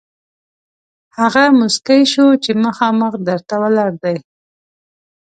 هغه موسکی شو چې مخامخ در ته ولاړ دی.